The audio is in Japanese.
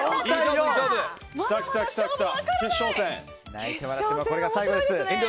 泣いても笑ってもこれが最後です。